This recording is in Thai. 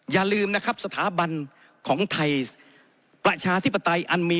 อย่าลืมนะครับสถาบันของไทยประชาธิปไตยอันมี